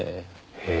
へえ。